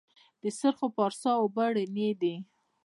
د سرخ پارسا اوبه رڼې دي